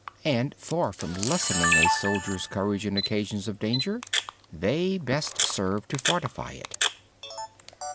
And, far from lessening a soldier's courage in occasions of danger, they actually serve to fortify it.